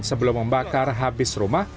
sebelum membakar habis rumah